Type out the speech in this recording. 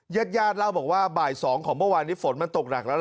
แยดเล่าบอกว่าบ่ายสองของเมื่อวานที่ฝนมันตกหนักแล้ว